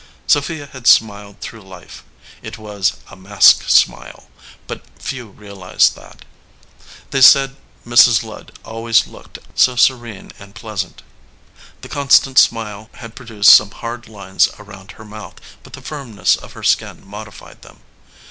Sophia had smiled through life. It was a mask smile, but few realized that. They said Mrs. Ludd always looked so serene and pleasant. The constant smile had produced some hard lines around her mouth, but the firmness of her skin modified them.